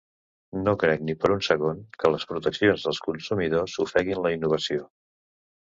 No crec ni per un segon que les proteccions dels consumidors ofeguin la innovació.